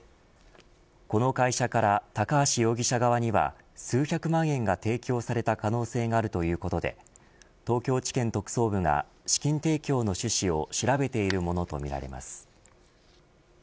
この会社から高橋容疑者側には数百万円が提供された可能性があるということで東京地検特捜部が資金提供の趣旨を調べているものとみられます。